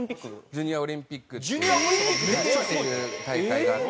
ジュニアオリンピックっていう大会があって。